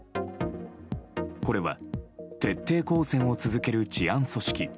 これは徹底抗戦を続ける治安組織